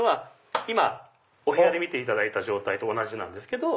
今お部屋で見ていただいた状態と同じなんですけど。